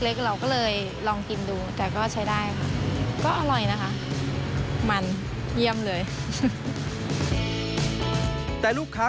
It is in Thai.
เราก็เลยลองกินดูแต่ก็ใช้ได้